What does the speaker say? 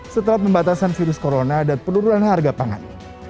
setelah pembatasan virus corona dan penurunan harga pangan